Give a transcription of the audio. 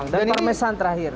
dan parmesan terakhir